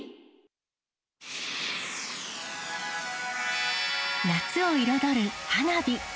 続く夏を彩る花火。